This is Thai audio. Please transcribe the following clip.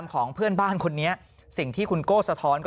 เออเห็นมั๊ยอ๋อยังห้ะคุณผู้ชม